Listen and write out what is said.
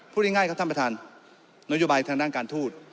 พูดง่ายครับท่านประธานนโยบายทางด้านการทูต